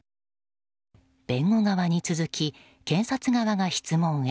弁護側に続き検察側が質問へ。